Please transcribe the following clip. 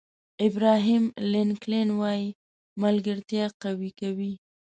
ابراهیم لینکلن وایي ملګرتیا قوي کوي.